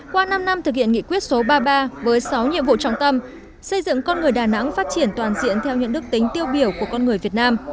qua năm năm thực hiện nghị quyết số ba mươi ba với sáu nhiệm vụ trọng tâm xây dựng con người đà nẵng phát triển toàn diện theo những đức tính tiêu biểu của con người việt nam